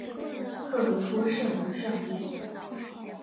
特伦托圣母圣殿。